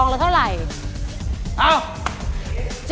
อุปกรณ์ทำสวนชนิดใดราคาถูกที่สุด